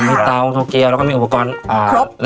มีเตาโตเกียวแล้วก็มีอุปกรณ์